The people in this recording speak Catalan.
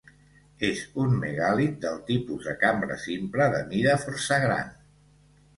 És un megàlit del tipus de cambra simple, de mida força gran.